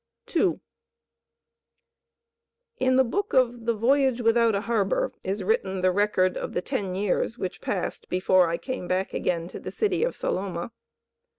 II In the Book of the Voyage without a Harbour is written the record of the ten years which passed before I came back again to the city of Saloma.